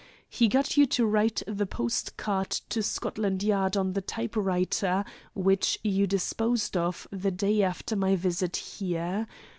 He got you to write the post card to Scotland Yard on the type writer which you disposed of the day after my visit here.